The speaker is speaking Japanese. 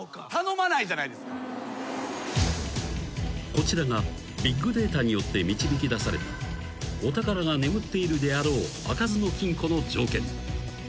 ［こちらがビッグデータによって導きだされたお宝が眠っているであろう開かずの金庫の条件］